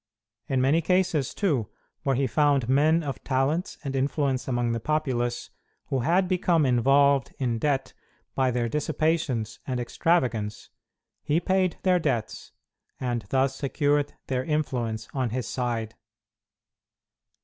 In many cases, too, where he found men of talents and influence among the populace, who had become involved in debt by their dissipations and extravagance, he paid their debts, and thus secured their influence on his side.